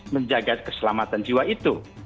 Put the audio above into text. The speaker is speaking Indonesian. menjaga keselamatan jiwa itu